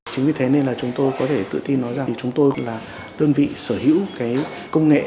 chính vì thế nên là chúng tôi có thể tự tin nói rằng chúng tôi là đơn vị sở hữu công nghệ